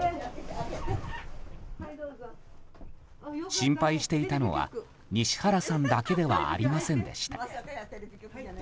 心配していたのは西原さんだけではありませんでした。